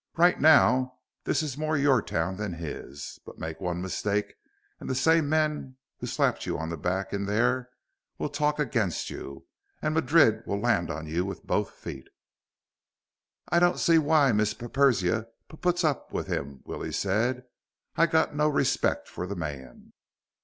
"Right now this is more your town than his. But make one mistake and the same men who slapped your back in there will talk against you. And Madrid will land on you with both feet." "I don't see why Miss P Persia p puts up with him," Willie said. "I got no respect for the man."